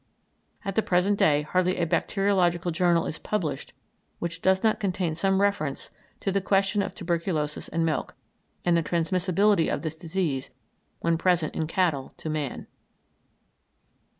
At the present day hardly a bacteriological journal is published which does not contain some reference to the question of tuberculosis and milk, and the transmissibility of this disease when present in cattle to man.